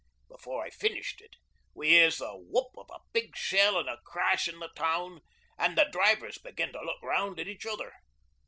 'Before I finished it we hears the whoop o' a big shell an' a crash in the town, an' the drivers begins to look round at each other.